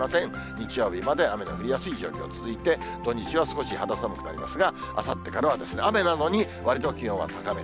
日曜日まで雨の降りやすい状況続いて、土日は少し肌寒くなりますが、あさってからは雨なのに、わりと気温は高め。